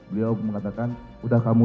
beliau mengatakan udah kamu